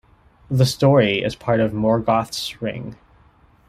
The story is part of "Morgoth's Ring".